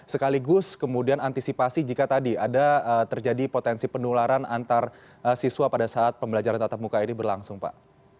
sekaligus kemudian antisipasi jika tadi ada terjadi potensi penularan antar siswa pada saat pembelajaran tatap muka ini berlangsung pak